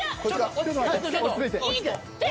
落ち着いて。